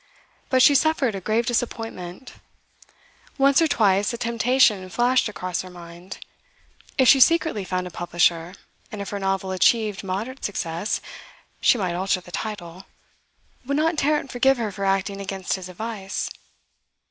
But she suffered a grave disappointment. Once or twice a temptation flashed across her mind; if she secretly found a publisher, and if her novel achieved moderate success (she might alter the title), would not Tarrant forgive her for acting against his advice?